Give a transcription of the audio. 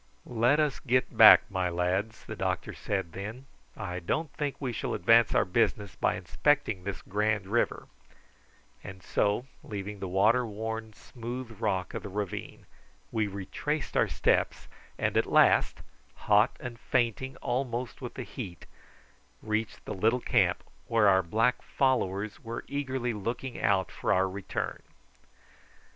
"Let us get back, my lads," the doctor said then; "I don't think we shall advance our business by inspecting this grand river;" and so leaving the water worn smooth rock of the ravine, we retraced our steps, and at last, hot and fainting almost with the heat, reached the little camp, where our black followers were eagerly looking out for our return.